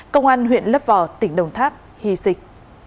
công an huyện lấp vỏ tỉnh đồng tháp hy dịch